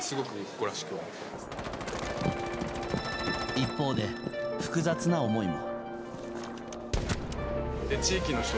一方で、複雑な思いも。